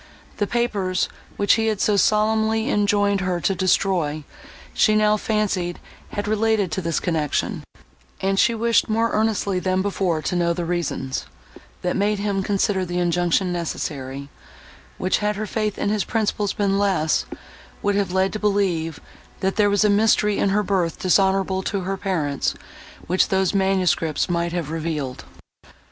The papers, which he had so solemnly enjoined her to destroy, she now fancied had related to this connection, and she wished more earnestly than before to know the reasons, that made him consider the injunction necessary, which, had her faith in his principles been less, would have led to believe, that there was a mystery in her birth dishonourable to her parents, which those manuscripts might have revealed.